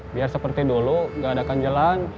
biar seperti dulu nggak ada kanjelan